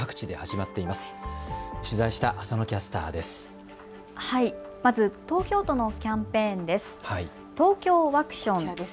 まず東京都のキャンペーンです。